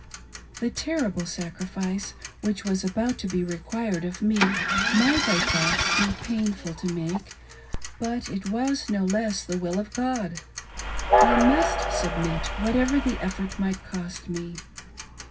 The terrible sacrifice which was about to be required of me, might, J thought, be painful to msJte, but it was no less the will of God, I must submit, whatever the effort might cost me.